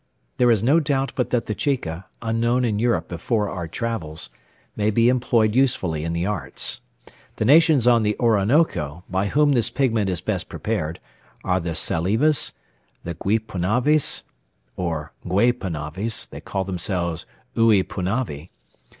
There is no doubt but that the chica, unknown in Europe before our travels, may be employed usefully in the arts. The nations on the Orinoco, by whom this pigment is best prepared, are the Salivas, the Guipunaves,* (* Or Guaypunaves; they call themselves Uipunavi.)